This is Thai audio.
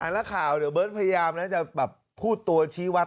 อันหน้าข่าวเดี๋ยวเบิ้ลต์พยายามจะพูดตัวชี้วัด